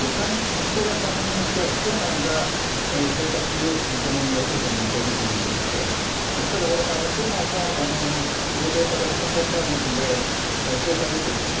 息子が３人いて長男が性格容姿ともにお父さんに似ているということでただ、長男も欧米から人権弾圧で制裁を受けているんです。